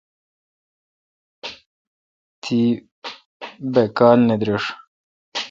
تی باکال نہ درݭ ۔